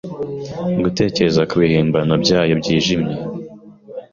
Gutekereza kubihimbano byayo byijimye